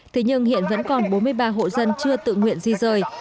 thế nhưng hiện vẫn còn bốn mươi ba hộ dân chưa tự nguyện di rời